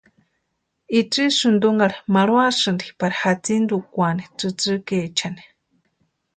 Itsï sïntunharhi marhuasïnti pari jatsïntukwani tsïtsïkiechani.